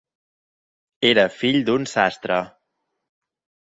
Era fill d'un sastre.